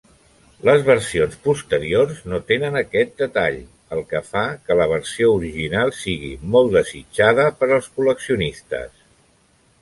Les versions posteriors no tenen aquest detall, el que fa que la versió original sigui molt desitjada per als col·leccionistes.